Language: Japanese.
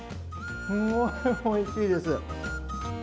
すごいおいしいです。